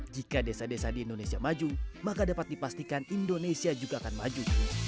jika desa desa di indonesia maju maka dapat dipastikan indonesia juga akan maju